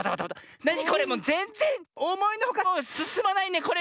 なにこれもうぜんぜんおもいのほかすすまないねこれねって。